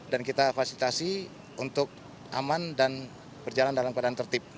dan kita fasilitasi untuk aman dan berjalan dalam keadaan tertib